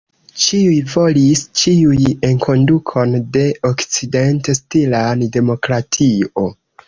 Ĉiuj volis ĉiuj enkondukon de okcident-stilan demokratio.